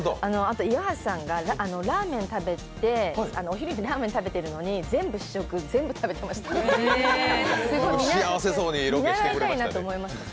岩橋さんがラーメン食べて、お昼ラーメン食べてるのに全部試食、全部食べてました。